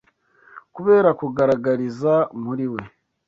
Kubera kugaragariza muri we